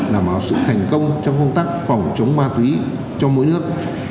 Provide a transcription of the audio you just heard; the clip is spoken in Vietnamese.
làm vào sự thành công trong công tác phòng chống ma túy cho mỗi nước